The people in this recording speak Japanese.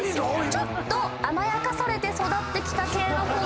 ちょっと甘やかされて育ってきた系の子が。